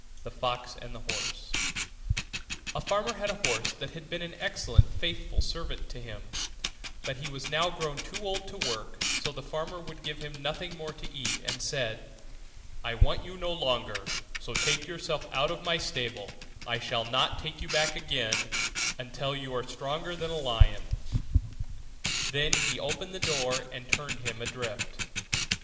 THE FOX AND THE HORSE A farmer had a horse that had been an excellent faithful servant to him: but he was now grown too old to work; so the farmer would give him nothing more to eat, and said, 'I want you no longer, so take yourself off out of my stable; I shall not take you back again until you are stronger than a lion.' Then he opened the door and turned him adrift.